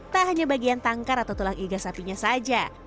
tak hanya bagian tangkar atau tulang iga sapinya saja